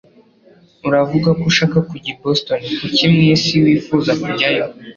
Uravuga ko ushaka kujya i Boston? Kuki mwisi wifuza kujyayo?